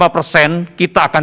sembilan puluh lima persen kita akan